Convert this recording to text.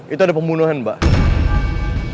itu ada pembunuhan pak